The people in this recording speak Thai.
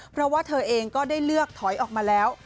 เพราะว่าเธอเองก็ได้เลือกถอยออกมาแล้ว